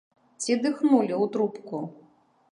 Ці дыхнулі ў трубку?